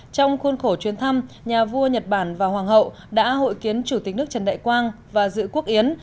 trong khuôn khổ chuyến thăm nhà vua nhật bản và hoàng hậu đã hội kiến chủ tịch nước trần đại quang và dự quốc yến